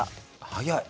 早い！